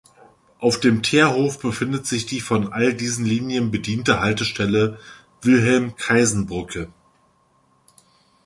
Auf dem Teerhof befindet sich die von all diesen Linien bediente Haltestelle "Wilhelm-Kaisen-Brücke".